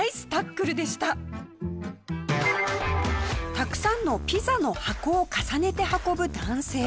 たくさんのピザの箱を重ねて運ぶ男性。